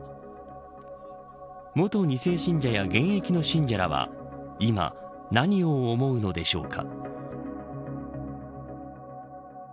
元２世信者や現役の信者らは今、何を思うのでしょうか。